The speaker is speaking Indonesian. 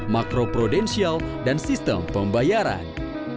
makroprudensial dan sistem pembayaran